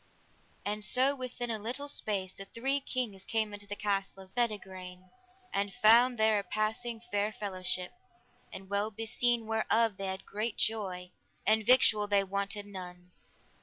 And so within a little space the three kings came unto the castle of Bedegraine, and found there a passing fair fellowship, and well beseen, whereof they had great joy, and victual they wanted none.